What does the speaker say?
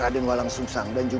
aku meminta jangan yang ikut